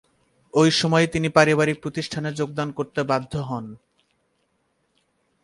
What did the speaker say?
ঐ সময়েই তিনি পারিবারিক প্রতিষ্ঠানে যোগদান করতে বাধ্য হন।